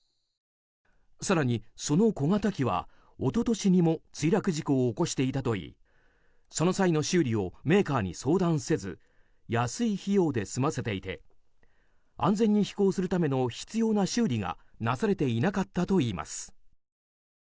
更にその小型機は一昨年にも墜落事故を起こしていたといいその際の修理をメーカーに相談せず安い費用で済ませていて安全に飛行するための必要な修理がなされていなかったといいます。